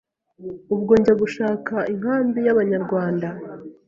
ubwo njya gushaka inkambi y’abanyarwanda